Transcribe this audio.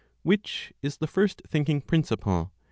Which is the First Thinking Principle?